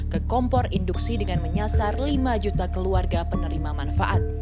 ke kompor induksi dengan menyasar lima juta keluarga penerima manfaat